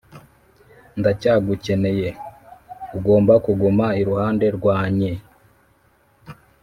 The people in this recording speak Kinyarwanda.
ndacyagukeneye; ugomba kuguma iruhande rwanye "